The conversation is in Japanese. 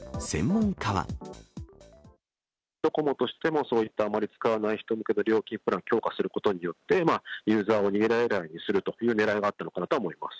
ドコモとしても、そういったあまり使わない人向けの料金プラン強化することによって、ユーザーを逃げられないようにするというねらいがあったのかなとは思います。